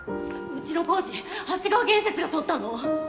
うちの工事長谷川建設がとったの？